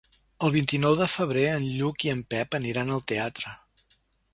El vint-i-nou de febrer en Lluc i en Pep aniran al teatre.